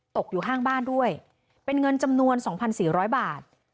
ตกอยู่ข้างบ้านด้วยเป็นเงินจำนวน๒๔๐๐บาท